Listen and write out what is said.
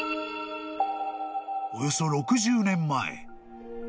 ［およそ６０年前］